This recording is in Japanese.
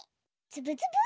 つぶつぶ。